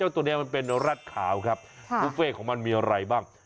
ตัวนี้มันเป็นรัดขาวครับบุฟเฟ่ของมันมีอะไรบ้าง